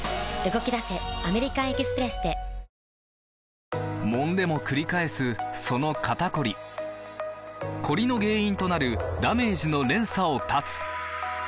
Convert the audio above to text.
わかるぞもんでもくり返すその肩こりコリの原因となるダメージの連鎖を断つ！